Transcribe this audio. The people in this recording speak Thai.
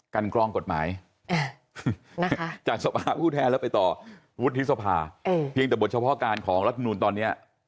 กันกล้องกฎหมายจากสภาผู้แท้แล้วไปต่อพุทธฤษภาเพียงแต่บทเฉพาะการของรัฐนูนตอนนี้